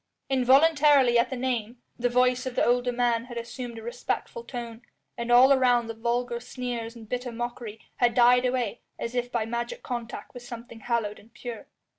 Involuntarily at the name, the voice of the older man had assumed a respectful tone, and all around the vulgar sneers and bitter mockery had died away as if by magic contact with something hallowed and pure.